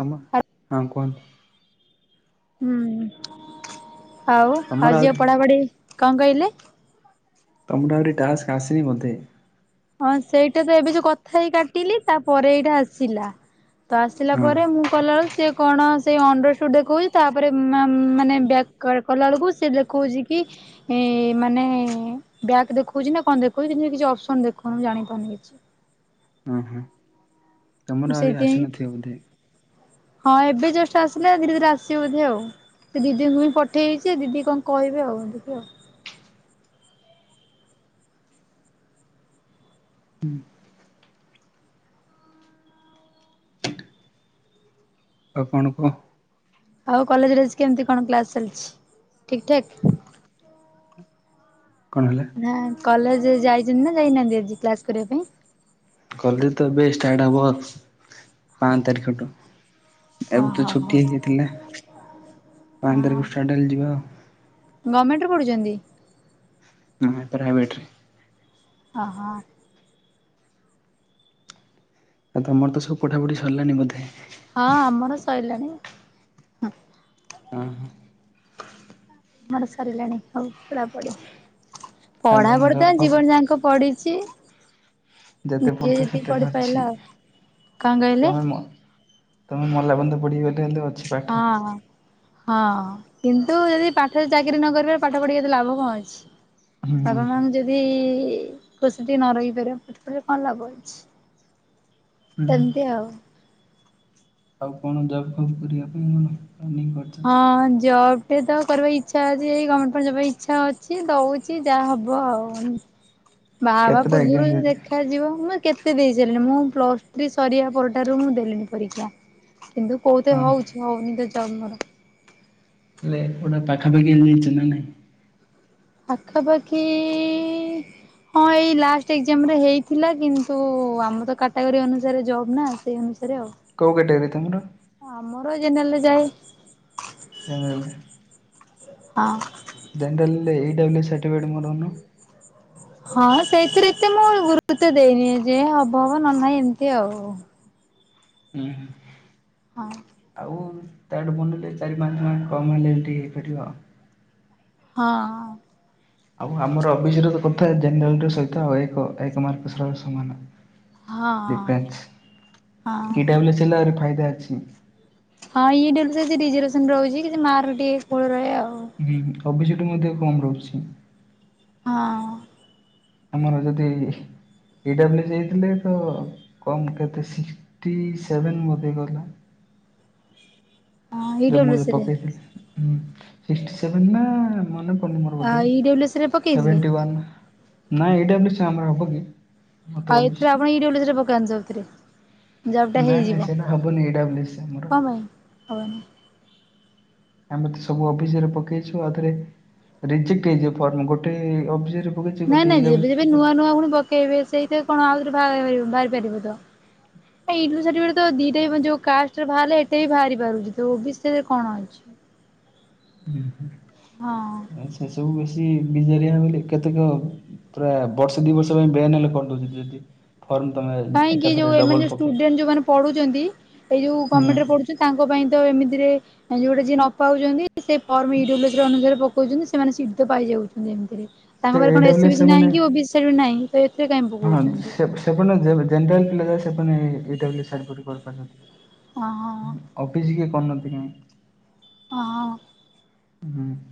ତମ ହଁ କୁହନ୍ତୁ। ହୁଁ ଆଉ ତମର ଆଉ ଯଝି ଆହୁରି ପଢାପଢି କଣ କହିଲେ? ତମର ଆହୁରି ଟାସ୍କ ଆସିନି ବୋଧେ? ହଁ ସେଇଟା ତ ଏବେ ଯୋଉ କଥା ହେଇ କାଟିଲି ତାପରେ ଏଇଟା ଆସିଲା ତ ଆସିଲା ହଁ ପରେ ମୁଁ କଲାବେଳକୁ ସିଏ କଣ ସେ ଅଣ୍ଡର ସୁଟ ଦେଖଉଛି ତାପରେ ମାନେ ବ୍ୟାକ୍ କଲା ବେଳକୁ ସେ ଦେଖଉଛି କି ଏ ମାନେ ବ୍ୟାକ୍ ଦେଖଉଛି ନା କଣ ଦେଖଉଛି କିଛି ଅପସନ ଦେଖୁନୁ ମୁଁ ଜାଣି ପାରୁନି କିଛି। ଓ ହୋ। ବୋଧେ ସେଇଥିପାଇଁ ହଁ ଏବେ ଜଷ୍ଟ ଆସିଲେ ଧୀରେ ଧୀରେ ଆସିବ ବୋଧେ ଆଉ। ସେ ଦିଦିଙ୍କୁ ହିଁ ପଠେଇଛି ଦିଦି କଣ କହିବେ ଆଉ ଦେଖି ଆଉ। ହୁଁ। ଆଉ କଣ କୁହ? ଆଉ କଲେଜରେ ଆଜି କେମିତି କଣ କ୍ଲାସ ଚାଲିଛି ଠିକ ଠାକ୍? କଣ ହେଲା? ନା କଲେଜ ଯାଇଛନ୍ତି ନା ଯାଇନାହାନ୍ତି ଆଜି କ୍ଲାସ କରିବା ପାଇଁ? କଲେ ତ ଏବେ ଷ୍ଟାର୍ଟ ହବ ପାଞ୍ଚ ତାରିଖଠୁ। ଏବେ ତ ଓହୋ ଛୁଟି ହୋ। ହେଇକି ଥିଲା ପାଞ୍ଚ ତାରିଖ ଷ୍ଟାଟଡଲ ଯିବା ଆଉ। ଗଭର୍ଣ୍ଣମେଣ୍ଟରୁୁ ପଢୁଛନ୍ତି? ହଁ ପ୍ରାଇଭେଟ ରେ। ଅହ। ଆ ତମର ତ ସବୁ ପଠା ପଢି ସରିଲାନି ବୋଧେ? ହଁ ଆମର ସଇଲାଣି। ହଁ। ମୋର ସରିଲାଣି ହଉ ପଢା ପଢି। ଆଉ କଣ ପଢାପଢି ତ ଜବ୍ ଫବ୍ ଜୀବନ ଯାକ ପଢି ସିଏ ଯେତେ ଯିଏ ପଢ଼ୁଥିବ ଯେତିକି ସେତେ ଅଛି ପଢିପାରିଲ ଆଉ। କଣ କହିଲେ? ତମେ ମ ତମେ ମଲାବନ୍ଧ ପଡିି ଗଲେ ହେଲେ ଅଛି ପାଠ ହଁ। ହଁ କିନ୍ତୁ ଯଦି ପାଠରେ ଚାକିରି ନ କରିବ ପାଠ ପଢିକ ଏତେ ଲାଭ କଣ ଅଛି। ହୁଁ ବାପ ମୋମ ହୁଁ ଯଦି ଖୁସିଟିକେ ନ ରହିପାରିବା ପଠପାଢ଼ୀ କଣ ଲାଭଅଛି ସେମିତି ଆଉ। ଆଉ କଣ ଜବ୍ ଫବ୍ କରିବା ପାଇଁ କଣ? [unintelligible] ହଁ ଜବ ସେ ତ କରିବା ଇଚ୍ଛା ଅଛି ଏଇ ଗଭର୍ଣ୍ଣମେଣ୍ଟ ଜବ ପାଇ ଇଚ୍ଛା ଅଛି ଦଉଛି ଯାହା ହବ ଆଉ। ବାହା ହବା କେତେଟା ପୂର୍ବରୁ ଏକ୍ଜାମ ଦେଖ ଦେଇଥିଲେ? ଦେଖାଯିବ ମୁଁ କେତେ ଦେଇ ସାରିଲି ମୁଁ ପ୍ଲସ୍ ଥ୍ରୀ ସରିବା ପରଟାରୁ ମୁଁ ଦେଲିଣିି ପରୀକ୍ଷା। କିନ୍ତୁ କୋଉତେ ହଁ। ହଉଛି ହଉନି ତ ଜନ୍ମର ହେଲେ ଗୋଟେ ପାଖାପାଖି ଯାଇଛ ନା ନାଇଁ? ପାଖାପାଖି ହଁ ଏଇ ଲାଷ୍ଟ ଏକ୍ଜାମ ରେ ହେଇଥିଲା କିନ୍ତୁ ଆମର ତ କାଟାଗୋରୀ ଅନୁସାରେ ଜବ୍ ନା ସେଇ ଅନୁସାରେ। ସେରେ ଆଉ। କୋଉ କାଟାଗୋରୀ ତମର? ଆମର ଜେନେରାଲ ରେ ଯାଏ। ଜେନେରାଲ। ହଁ। ଜେନେରାଲ ରେ ଏ ଡବ୍ଲୁ ସର୍ଟିଫିକେଟ ମରଉନ। ହଁ ସେଇଥିରେ ଏତେ ମୁଁ ଗୁରୁତ୍ ଦେଇନି ଏଯାଇ ହବ ହବ ନ ନହିଁ ଏମିତି ଆଉ। ହୁଁ ହଁ ହଁ। ଆଉ? ତାଠେ ବନେଇଲେ ଚାରି ପାଞ୍ଚ ଟଙ୍କ କମ୍ ହେଲେ ଅମିତି ହେଇପାରିବ ଆଉ। ହଁ। ଆଉ ଆମର ଅବିଶି ର କଥା ଜେନେଲ ଏକ ଏକ ମାର୍କ ସହ ସମାନ। ହଁ [unintelligible] ହଁ। ଦିଟା [unintelligible] ହେଲା ଫାଇଦା ଅଛି। ହଁ ଇଏଟ ଡିଜିଭସନ ରହୁଛି କିଛି ମାର୍କ ଟିକେ ଫୁଲ ରହେ ଆଉ। ହୁଁ ଓ ବି ସି ର ମଧ୍ୟ କମ ରହୁଛି। ହଁ। ଆମର ଯଦି [unintelligible] ହେଇଥିଲେ ତ। କମ କେତେ ସିକ୍ସଟି ସେଭେନ ବଧେ ଗଲା। ହଁ ଇ ମୁଁ ଡବ୍ଲୁ ସି ରେ ପକେଇଥିଲି ନା ମେ [inaudible] ମର ବେ ଇ ଡବ୍ଲୁ ସି ରେ ପକେଇଥିଲେ? ସେଭଣ୍ଟିନ୍ ନାଁ ଏଇ ଡବ୍ଲୁ କ୍ୟାମେରା ହବ। ମୁଁ ତ ଆଉ ଏଥିରେ ଓବିସି ଆପଣ ଏଇରେ ପକେଇଥିରେ [unintelligible] ଜବ ଟା ନାଇଁ ନାଇଁ ହେଇଯିବ ସେଇଟା ହବନି ଏଇ ଡବ୍ଲୁ ସି ଆମର। କଣ ପାଇଁ? ଆମେ ତ ସବୁ ଅଫିଯରେ ପକେଇଛୁ ଆଉରେଜେକ୍ଟ ହେଇଯିବ ଫର୍ମ ଗୋଟେ ଅରେ। ନାଇଁ ନାଇଁ ଯେବେ ଯେବେ ନୂଆ ନୂଆ ପୁଣି ପକେଇବେ ସେଇଥି କଣ ଆଉଥରେ ବାହାରି ପାରିବ ତ। ତ ଦିଟା ଯଉ କାଷ୍ଟରେ ବାହାରିଲ ଏଟା ହ ବି ବାହାରି ପାରୁଛି ତ ବିରେ କଣ ଅଛି? ହ [inaudible] ହୁଁ ହୁ ଆ ସେ ସବୁ ବେଶୀ ବିଜାରିଆ ବୋଲି କେତେକ [unintelligible] ପୁରା ବର୍ଷ ଦି ବର୍ଷ ପାଇଁ ବେୟ ନେଲେ କଣ ଦଉଛନ୍ତି ଯଦି ଫର୍ମ ତମେ କାହିଁକି ଏକାଥରେ ଯୋଉ ଡବଲ ଏମାନେଉ ପକେଇବ। ଷ୍ଟୁଡେଣ୍ଟ ଯୋଉମାନେ ପଢୁ ଏଇ ଯୋଉ ଗମେଣ୍ଟ ହୁଁ ରେ ପଢୁଛନ୍ତି। ତାଙ୍କ ପାଇଁ ତ ଏମିତିରେ ଯୋଉଟା ଯି ନ ପାଉଛନ୍ତି ସେ - କହୁଛନ୍ତି ସେମାନେ ସି ପାଇଯାଉଛନ୍ତି ଏମିତିରେ ସେ ତାଙ୍କରେ ଏ କଣ ଏସି ଡବ୍ଲୁ ବି ନାହିଁ କି ବି ସ ବି ନାହିଁ। ତ ଏଥିେ କାଇ ହଁଲ ଜେନେରାଲ ସେମାନେ [unintelligible] କରିପାରୁଛନ୍ତି। ଓ ହ। ଅଫିସ କିଏ କରିୁନାହାନ୍ତି କାଇହିଁ ହ ହ ହୁଁ [inaudible]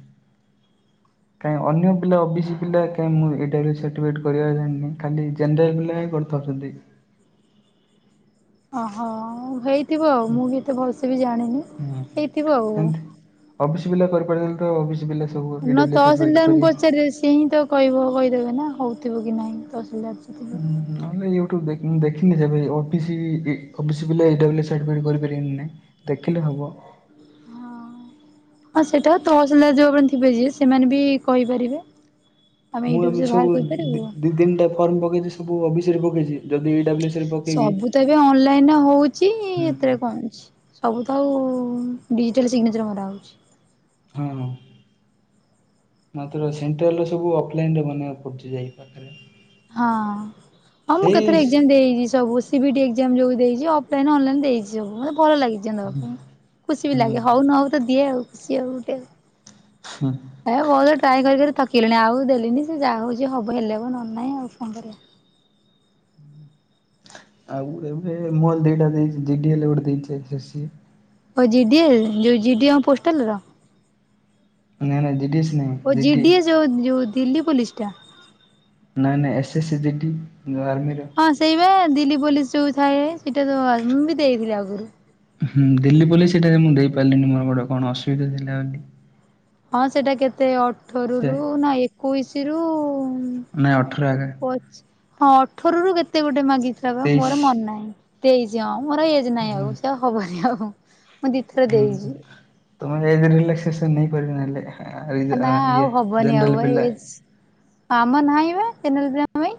ହ [inaudible] କଁ ଅନ୍ୟ ପିଲା ପିଲା ଓବିସି ପିଲା କାଁହି ମୁଁ ଏଇ ଟାଇପର ସାର୍ଟିଫିକେଟ କରିବାରେ ଖାଲି ଜେନେରାଲ ପିଲା। ଛନ୍ତି କି [inaudible] ଓହୋ ହେଇଥିବ ଆଉ ମୁଁ ବି ଏତେ ଭଲସେ ବି ଜାଣିନି ହେଇଥିବ ଆଉ। ଅଫିସ ବିଲା କରିପାରଛନ୍ତି ତ ଅଫିସ ବିଲା [unintelligible] ନା ତ ଅହସିଲୀଦାରଙ୍କୁ ପଚାରିଲେ ସିଏ ହିଁ ତ - କହିବ କହିଦେବେ ନା ହଉଥିବ କି ନାହିଁ ତସ ଅଛିଥିବ ନହଲେ ୟୁଟ୍ୟୁବ [unintelligible] ଦେଖିନି କରିପାରାଇଁ ଦେଖିଲେ ହବ। ହଁ ସେଇଟା ତ ତହସିଲଦାର ଯୋଉ ମାନେ ଥିବେ ଯିଏ ସେମାନେ ବି କହିପାରିବେ। ଆମେ ମୁଁ ୟୁଟ୍ୟୁବ ଏ ସେ ବାହାର ସବୁ କରିପାରିବୁ। ଦି ତିନଟା ଫର୍ମ ପକେଇଛି ସବୁ ଅଫିସରେ ପକେଇଛି ଯଦି ଏଇଟା ବ - ସବୁ ତ ଏବେ ଅନଲାଇନରେ ହଉଛି ହୁଁ ଏଥିରେ କଣଛି। ସବୁ ତ ଆଉ ଡିଜିଟାଲ୍ ସିଗ୍ନେଚର୍ ମରା ହୋଉଛି। ହଁ। ମାତ୍ର ସେଣ୍ଟାଲ୍ରର ସବୁ ଅଫଲାଇନରେ ବନେଇବାକୁ ପଡ଼ୁଛି ଯାଇ ପାଖରେ। ହଁ ହଁ ମୁଁ ସେଇ କେତେଟା ଏଗ୍ଜାମ ଦେଇଛି ସବୁ CT B E D exam ଯେଉଁ ଦେଇଛି ଅଫଲାଇନ୍ ଅନଲାଇନ୍ ଦେଇଛି ସବୁ ମତେ ଭଲ ଲାଗେ। ଏଗଜାମ ଦେବା ପାଇଁ ଖୁସି ବି ହଁ ଲାଗେ ହଉ ନ ହଉ ତ ଦିଏ ଆଉ ଖୁସି ଆଉ ଗୋଟେ ଆଉ। ହୁ। ଏ ବହୁତ ଟ୍ରାଏ କରିି କରି ଥକିଗଲିଣି। ଆଉ ଦେଲିନି ସେ ଯାହା ହଉଛି ହବ ହେଲେ ହବ ନହେଲେ ନାହିଁ ଆଉ କଣ କରିବା। ଆଉ ଏବେ ମଲ ଦିଟା ଦେଇଛି ଜି ଡି ଏଲ ଗୋଟେ ଦେଇଚି ଏସ ଏସ ସି। ଓ ଜି ଡି ଏ ଯୋଉ ଜି ଡି ଏ ପୋଷ୍ଟାଲ ର? ନାଇଁ ନାଇ ଡି ଡି ଏସ ଓ ଜିଡିଏ ଯୋଉ ଯୋଉ ଦିଲ୍ଲୀ ପୋଲିସ ଟା? ନାଇଁ ନାଇଁ ଏସ୍ ଏସ ଜି ଡି ଯୋଉ ଆର୍ମିର। ହଁ ସେଇ ବା ଦିଲ୍ଲୀ ପୋଲିସ ଯୋଉ ଥାଏ ସେଇଟା ତ ମୁଁ ବି ଦେଇଥିଲି ଆଗରୁ। ହୁଁ ଦିଲ୍ଲୀ ପୋଲିସ ସେଟା ମୁଁ ଦେଇପାରିଲିନି ମୋର ଗୋଟେ କଣ ଅସୁବିଧା ଥିଲା ବୋଲି। ହଁ ସେଇଟା କେତେ ସେ ଅଠରରୁ ନା ଏକୋଇଶି ରୁ ନାଇଁ ଅଠର ଆଗ। ପଚ୍ ହଁ ଅଠରରୁୁ କେତେ ଗୋଟେ ମାଗିଥିଲା ପା ତେଇଶି ମୋର ମନ ନାହିଁ ଦେଇଛି ହଁ ମୋର ଏଇ ନାଇଁ ହୁଁ ଆଉ ସେଉ ହବନି ଆଉ। ମୁଁ ଦିଥର ହୁଁ ଦେଇଚି ତମେ ରିଲାକ୍ସେସନ ନେଇପାରିବ ନେଲେ। ନା ଆଉ ହବନି ଆଉ ଭାଇ ଏଜ୍ ଆମର ନାହିଁ ବା ଜେନେରାଲ ପିଲାଙ୍କ ପାଇଁ।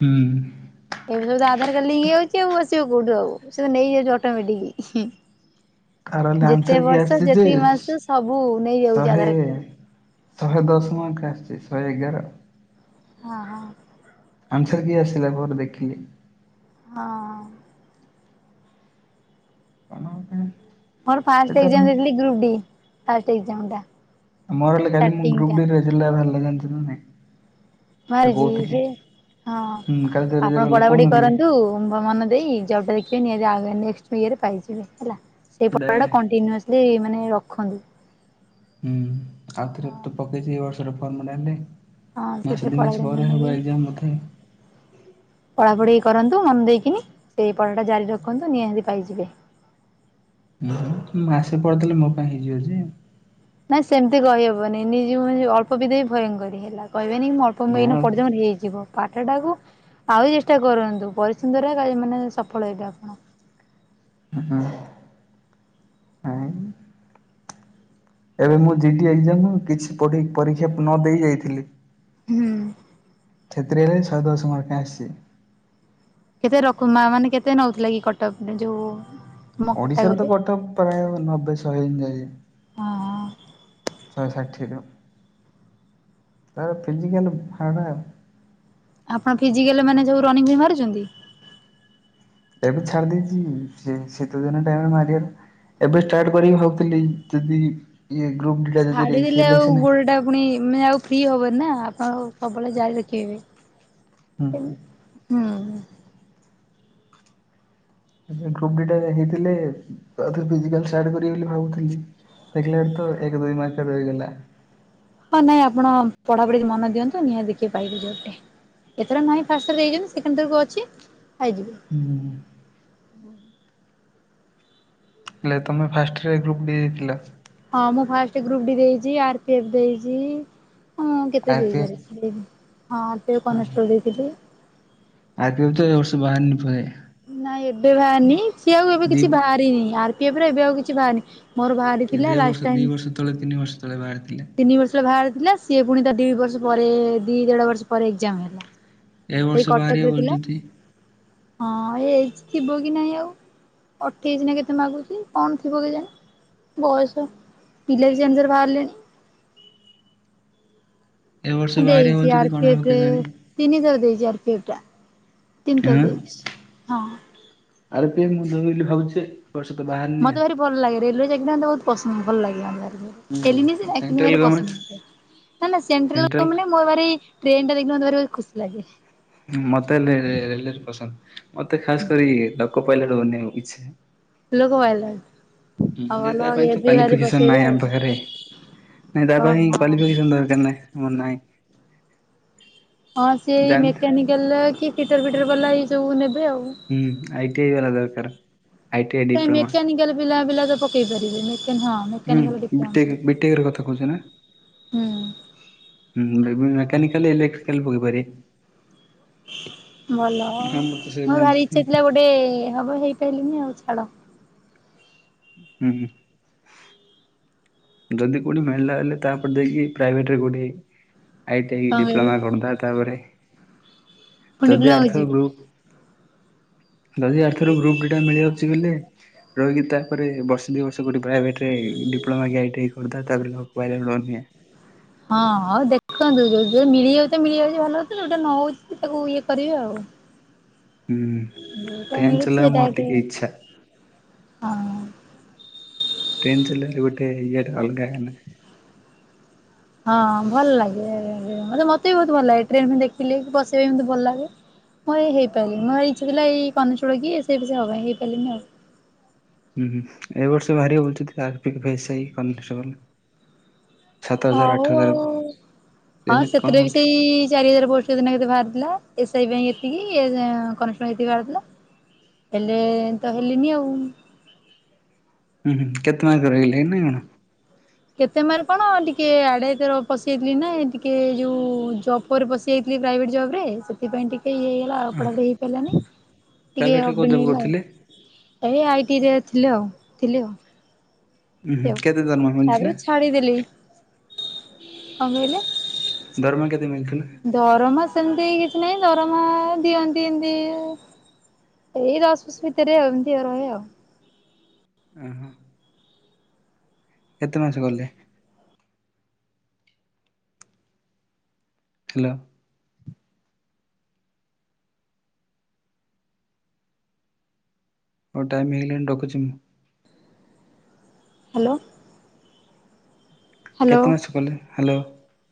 ହୁଁ। ଏବେ ସବୁ ତ ଆଧାରକାର୍ଡ ଲିଙ୍କ ହେଇଯାଉଛି ଆଉ ଆସିବ କୋଉଠୁ ଆଉ ସେ ତ ନେଇଯାଉଛି ଅଟୋମେଟିକ। ତାର ହେଲେ ଯେତେ ଆନ୍ସର କି ବର୍ଷ ଆସିଛି ଯେତେ ଯେ ମାସ ସବୁ ନେଇଯାଉଛି ଶହେ ଆଧାର କାର୍ଡ। ଶହେ ଦଶମଙ୍କ ଆସିଛି ଶହେ ଏଗାର। ହଁ ହଁ। ଆନ୍ସର କି ଆସିଲା ପରେ ଦେଖିଲି। ହଁ। କଣ କାଇଁ? ମୋର ଫାଷ୍ଟ ଏଗଯାମ୍ ଦେଇଥିଲି ଗ୍ରୁପ ଡି ଫାଷ୍ଟ ଏଗଯାମ୍ ଟା। ମୋର କାଲି ମୁଁ ଷ୍ଟାର୍ଟିଂ ଗୄପ ଟା ଡିର ରେଜଲ୍ଟ ବାହାରିଲ ଜାଣିଚୁ ନା ନାଇଁ? ତ ମାରିଛି କହୁଥିଲି। ହେ ହଁ ହୁଁ କାଲି ତ ରେଜଲ୍ଟ ଆପଣ ବାହାରିଲା ପଢାପଢି ଭ କହୁନଥିଲି କରନ୍ତୁ ମନ ଦେଇ ଜବ ଟେ ଦେଖିବେ ନିହାତି ଯାହାବି ହେଲେ ନେକ୍ସଟ୍ ଇଏ ରେ ପାଇଯିବେ ହେଲା ସେଇ ସେଟା ପଢ଼ାଟା ଆଜ୍ଞା। କଣ୍ଟିନିଓସ ହେ ମାନେ ରଖନ୍ତୁ। ହୁଁ ଆଉ ଥରେ ତ ପକେଇଛି ଏଇ ବର୍ଷର ଫର୍ମ ଟା ଆଣିଲେ। ହଁ ମାସେ ସେଥିରେ ଦି ପଢାରେ ମାସେ ମନ ପରେ ହବ ଦିଅନ୍ତୁ। ଏଗ୍ଜାମ ବୋଧେ। ପଢାପଢି କରନ୍ତୁ ମନ ଦେଇକିନି ସେଇ ପଢ଼ା ଟା ଜାରି ରଖନ୍ତୁ ନିହାତି ପାଇଯିବେ। ମୁଁ ମାସେ ପଢ଼ିଦେଲେ ମୋ ପାଇଁ ହେଇଯିବ ଯେ ନାଇଁ ସେମିତି କହିହବନି ନିଜକୁ ନିଜେ ଅଳ୍ପ ବିଦ୍ୟା ବି ଭୟଙ୍କରି ହେଲା କହିବେନି କି ମୁଁ ଅଳ ତ ମୁଁ ନା ଏଇନା ଅଳ୍ପ ପଢିଦିଏ ମୋର ହେଇଯିବ। ପାଠ ଟାକୁ ଆହୁରି ଚେଷ୍ଟା କରନ୍ତୁ। ପରିଶ୍ରମରେ ମାନେ ସଫଳ ହେବେ ଆପଣ। ହୁଁ ହୁଁ। ଆଁଇ। ଏବେ ମୁଁ ଜି ଡି ଏଗଜାମ କିଛି ପଢି ପରୀକ୍ଷା ନ ଦେଇ ଯାଇଥିଲି। ହୁଁ। ସେଥିରେ ହେଲେ ଶହେ ଦଶ ମାର୍କ ଆସିଛି। କେତେ ରକମା ମାନେ କେତେ ନୋଉଥିଲା କି କଟକ ଯୋଉ ତମ ଓଡିଶାରେ ତ କାଟାଗୋରୀରେ? କଠ ପ୍ରାୟ ନବେ ଶହେ ଏନ୍ତି ଯାଏ। ଆହଁ। ଶହେ ଷାଠିଏରୁ ତାର ଫିଜିକାଲ ଭାଡ଼ା ଆଉ। ଆପଣ ଫିଜିକାଲ ମାନେ ସବୁ ରନିଂ ବି ମାରୁଛନ୍ତି ଏବେ ଛାଡି ଦେଇେଇଛି ସେ ଶୀତ ଦିନ ଟାଇମରେ ମାରିବଲା ଏବେ ଷ୍ଟାର୍ଟ କରିକି ଭାବୁଥିଲି ଯଦି ଇ ଗ୍ରପ ଡିା ଛାଡି ଦେଲେ ଆଉ ଯ ଗୋଡଟା ପୁଣି ଆଉ ଫ୍ରି ହବନି ନା ଆପଣ ସବୁବେଳେ ଜାର ରଖବେ ହୁଁ ହଁ ଗ୍ରପ ଡିା ହେଇଥିଲୋ କରିବ ବୋଲି ଭାବୁଥିଲି ଦେଖିଲ ତ ଏକ ଦୁଇ ମାସ ରହିଗଲା ହଁ ନାଇଁ ଆପଣ ପଢାପଢି ମନ ଦିଅନ୍ତୁ ନିହାତି ଦେଖି ପାଇବେେ ଯୋଟେ ଏଥର ନାହିଁ ଫାଷ୍ଟରେ ଦେଇଛନ୍ତି ସେକେଣ୍ଡରକୁ ଅଛି ଖାଇଯିବେ ହୁଁ ହେଲେ ତୁମେ ଫାଷ୍ଟରେ ଗ୍ରୁପ୍ ଡି ଦେଇାଇଥିଲ ହଁ ମୁଁ ଫାଷ୍ଟ ଗ୍ରପ ଦେଇଛି ଆର ପିଫ ଦେଇଛି ହଁ ମୁଁ କେତେ ଆର୍ ପି ଏଫ୍ ଦେଇଗଲିି ହଁ ଟ କ ନଷ୍ଟ ଦେଇଥିଲ ଆଗ ବି ତ ଏ ବର୍ଷ ବାହାରି ପ ନାଇଁ ଏବେ ବାହାରନି ସିଏ ଆଉ ଏବେ ଦି କିଛି ବାହାରିିନି ଆର୍ ପି ପରେ ଏବେ ଆଉ କିଛି ବାହାରି ମୋର ବାହାରି ଥିଲା ଲାଷ୍ଟ ଟାଇ ତତଳେ ତିନି ବର୍ଷ ତଳେ ବାହାର ଥିଲା ତିନି ବର୍ଷ ହେ ବାହାର ଥିଲା ସିଏ ପୁଣି ତା ଦୁଇ ବର୍ଷ ପରେ ଦୁଇ ଦେଢ଼ ବର୍ଷ ପରେ ଏକ୍ଜାମ ହେଲା ଏ ଏଇ ବର୍ଷ ବାହାରିବେ କଟକରେ ଥିଲା ବୋଲୁଛନ୍ତି ହଁ ଏ ଥିବ କି ନାଇଁ ଆଉ ଅଠେଇଶି ନା କେତେ ମାଗୁଛି କଣ ଥିବ କେଜାଣି। ବୟସ ପିଲା ବି ସେମିତିର ବାହାରିଲେଣି। ଏ ବର୍ଷ ବାହାରିବେ ଦେଇଛି ବୋଲୁଛନ୍ତି କଣ ହବ ଆରପିଏଫେ କେଜାଣି ତିନି ଥର ଦେଇଛି ଆରପିଏଫ ଟା ତିନିଥର ଦେଇଛି ହଁ। ଆରପିଏଫ୍ ମୁଁ ଦେବି ବୋଲି ଭାବୁଛି ଯେ ଏ ବର୍ଷ ତ ବାହାରନି ମତେ ଆଉ। ଭାରି ଭଲ ଲାଗେ ରେଲୱେ ଚାକିରି ବହୁତ୍ ପସନ୍ଦ ଭଲ ଲାଗେ। ହୁଁ ସେଣ୍ଟ୍ରାଲ ଗଭର୍ଣ୍ଣମେଣ୍ଟ [unintelligible] ନା ସେଣ୍ଟ୍ରାଲ ଗମେଣ୍ଟ ମୋରି ଟ୍ରେନ ଟା ଦେଖିଲ ମତେ ଭାରି ଖୁସି ଲାଗେ। ମତେ ରେଲୱେ ପସନ୍ଦ ମତେ ଖାସ୍ କରି ଲୋକ ପାଇଲଟ୍ ବନିଆକୁ ଇଚ୍ଛା। ଲୋକ ପାଇଲଟ। ହୁଁ ଆଉ ଯେ ଭଲ ତା ପାଇଁ ଇଏ ତ ବି ଭାରି କ୍ଵାଲିଫିକେସନ ପକେଇବେ ନହିଁ ଆଉ ଆମ ପାଖରେ। ନାଇଁ ତା ପାଇଁ ହଁ କ୍ୱାଲିଫିକେସନ ଦରକାର ନା ମୋର ନାଇଁ। ହଁ ସିଏଇ ଜାଣି ମେକାନିକାଲ କି ଫିଟର ଫିଟର ବାଲା ଏଇ ଯଉ ନେବେ ଆଉ। ହୁଁ ଆଇଟିଆଇ ବାଲା ଦରକାର। I T I diploma mechanical ପିଲା ପିଲା ତ ପକେଇ ପାରିବେ ମାନ ହଁ ମେକାନିକାଲ ହୁଁ ବିଟ ଡିପ୍ଲୋମା ବିଟେକ କଥା କହୁଛି ନା ହୁଁ ହଁ ମେକାନିକଲ ଏଲେକ୍ଟ୍ରିକଲ ପକେଇପାରିୟେ। ଭଲ ଆଉ ଆମର ତ ସେଇ ମୋର ବ୍ରାଞ୍ଚ ଭାରି ନାହିଁ। ଇଛା ଥିଲା ଗୋଟେ ହବ ହେଇପାରିଲିନି ଆଉ ଛାଡ଼। ହୁଁ। ଯଦି କେଉଁଠି ମିଳିଲା ହେଲେ ତାପରେ ଯାଇକି ପ୍ରାଇଭେଟରେ କେଉଁଠି ଆଇଟି ଆଇ କଣ କହିଲେ ଡିପ୍ଲୋମା କରି ଦେବା ତାପରେ ପୁଣି ଯଦି ଡିପ୍ଲୋମା କୁ ଆର୍ଥ ଯିବେ? ଗ୍ରୁପ ଯଦି ଆର ଥର ଗ୍ରୁପ ଡି ଟା ମିଳିଯାଉଛି ବୋଲେ ରହିକି ତାପରେ ବର୍ଷ ଦୁଇ ବର୍ଷ କେଉଠି ପ୍ରାଇଭେଟ୍ ରେ ଡିପ୍ଲୋମା କି ଆଇ ଟି ଆଇ କରିଦା ତାପରେ ଲୋକ ପାଇଲେଟ ବନିଆ। ହଁ ହଉ ଦେଖନ୍ତୁ ଯୋଉ ମିଳିଯାଉ ତ ମିଳିଯାଉଛି ଭଲ ହଉଛି ଯୋଉଟା ନ ହଉଛି ତାକୁ ଇଏ କରିବି ଆଉ। ହୁଁ ତ ଟ୍ରେନ ମିଳୁ ଚଲେଇବା ମୋର ସେଇଟାକୁ ଟିକେ ଇଚ୍ଛା। ହଁ। ଟ୍ରେନ୍ ଚଲେଇବା ଗଟେ ଇଏଟା ଅଲଗା [unintelligible] ହଁ ଭଲ ଲାଗେ ଏ-ଏ ମତେ ବି ବହୁତ ଭଲ ଲାଗେ ଟ୍ରେନ ଦେଖିଲେ ବସିବାକୁ ଭଲ ଲାଗେ। ମୁଁ [unintelligible] ମୋ ଇଚ୍ଛା ଥିଲା ଏଇ କନେଷ୍ଟବଳ କି ଏସ ଆଇ ଫେଶାଇ ହବା ପାଇଁ ହେଇପାରିଲିନି ଆଉ। ହୁଁ ହୁଁ ଏ ବର୍ଷ ବାହାରି [unintelligible] ଅର୍ ପି ଏଫ୍, ଏ ସ ଆଇ, କନେଷ୍ଟବଳ। ହଉଉ କେଜାଣି ହଁ କଣ ସେଥିରେ ବି ହଉଛି। ସେଇ ଚାରି ହଜାର ପୋ କେତେ କେତେ ବାହାରିଥିଲା ଏସଆଇ ପାଇଁ ଏତିକି କନଷ୍ଟବଳ ପାଇଁ ଏତିକି ବାହାରିଥିଲା। ହେଲେ ତ ହେଲିନି ଆଉ। ହୁଁ ହୁ କେତେ ମାର୍କ ରହିଲେ ନା କଣ। କେତେ ମାର୍କ କଣ ଟିକେ ଆଡେ ଏଥର ପଶିଆଥିଲି ନା ଟିକେ ଯୋଉ ଜବ୍ ପରେ ପଶିଯାଇଥିଲ ପ୍ରାଇଭେଟ୍ ଜବ ରେ ସେଥିପାଇ ଟିକେ ଇଏ ହେ ତ ଅପଡ଼ା ହେଇ ପାରିଲାନି ଟିକେ ପ୍ରାଇଭେଟରେ କୋଉ ଜବ୍ ଅପଡିନିଲା କରୁଥିଲେ? ହେଲା। ଏଇ ଆଇ ଟି ରେ ଥିଲ ଆଉ ଥିଲି ଆଉ। ଉଁ ଲି ହୁଁ କେତେ ଦରମା ତାପରେ ମିଳୁଥିଲା ଛାଡିଦେଲି କଣ କହିଲେ? ଦରମା କେତେ ମିଳୁଥିଲା। ଦରମା ସେମିତି କିଛି ନାହିଁ ଦରମା ଦିଅନ୍ତି ଏମିତି ଅ ଏଇ ଦଶ ବଶ ଭିତରେ ଏମିତି ଆଉ ରହେ। ଓହୋ। କେତେ ମାସ ଗଲେ। ହ୍ୟାଲୋ। ହଉ ଟାଇମ୍ ହେଇଗଲାଣି ରଖୁଛି ମୁଁ। ହ୍ୟାଲୋ। ହ୍ୟାଲୋ କେତେ ମାଛ କଲେ ହ୍ୟାଲୋ।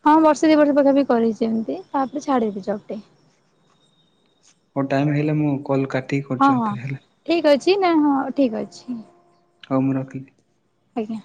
ହଁ ବର୍ଷେ ଦି ବର୍ଷ ପାଖା ପାଖି ବି କରିଛି ଏମିତି ତାପରେ ଛାଡି ଦେଲି ଜବ ଟି। ହଉ ଟାଇମ ହେଇଲା ମୁଁ କଲ୍ କରୁଛି ହଁ ହଁ ଆଉଥରେ ହେଲା ଠିକ ଅଛି ନା ହଁ ଠିକ ଅଛି। ହଉ ମୁଁ ରଖିଲି। ଆଜ୍ଞା।